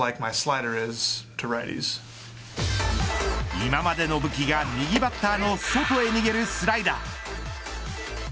今までの武器が右バッターの外へ逃げるスライダー。